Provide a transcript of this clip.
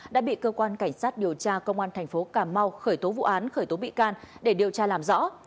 đã bị cơ quan cảnh sát điều tra công an thành phố cà mau khởi tố vụ án khởi tố bị can để điều tra làm rõ